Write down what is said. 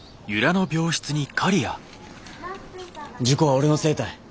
事故は俺のせいたい。